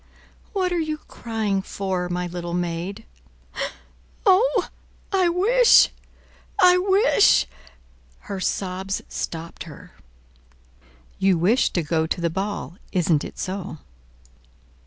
"What are you crying for, my little maid?" "Oh, I wish—I wish—" Her sobs stopped her. "You wish to go to the ball; isn't it so?"